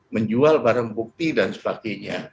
menjual barang bukti dan sebagainya